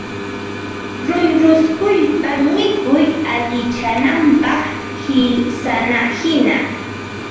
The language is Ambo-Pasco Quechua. ruyruykuspa mikuy allichanapaq, qisanahina